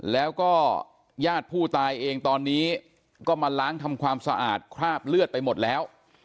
แล้วก็ญาติผู้ตายเองตอนนี้ก็มาล้างทำความสะอาดคราบเลือดไปหมดแล้ว